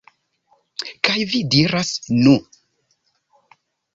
Kaj vi diras, "Nu..."